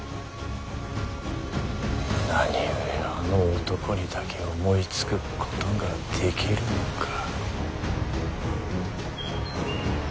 何故あの男にだけ思いつくことができるのか。